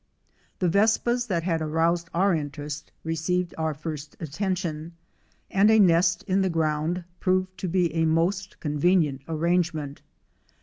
The Vespas that had aroused our interest received our first attention, and a nest in the ground proved to be a most convenient arrangement.